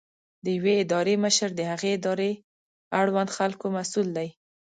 د یوې ادارې مشر د هغې ادارې اړوند خلکو مسؤل دی.